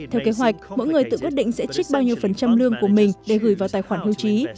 theo kế hoạch mỗi người tự quyết định sẽ trích bao nhiêu phần trăm lương của mình để gửi vào tài khoản hưu trí